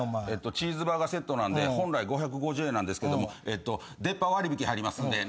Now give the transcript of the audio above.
チーズバーガーセットなんで本来５５０円なんですけども出っ歯割引入りますんで７０円頂きます。